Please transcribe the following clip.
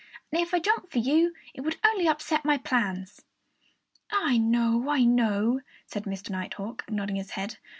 "And if I jumped for you, it would only upset my plans." "I know I know," said Mr. Nighthawk, nodding his head.